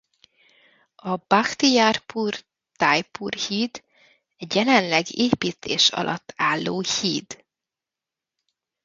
A Bakhtiyarpur-Tajpur Híd egy jelenleg építés alatt álló híd.